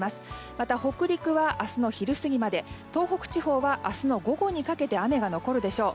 また、北陸は明日の昼過ぎまで東北地方は明日の午後にかけて雨が残るでしょう。